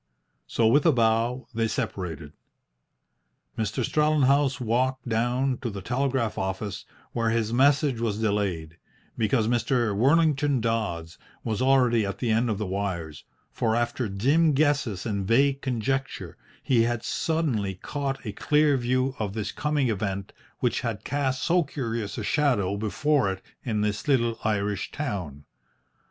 So, with a bow, they separated. Mr. Strellenhaus walked, down to the telegraph office, where his message was delayed because Mr. Worlington Dodds was already at the end of the wires, for, after dim guesses and vague conjecture, he had suddenly caught a clear view of this coming event which had cast so curious a shadow before it in this little Irish town.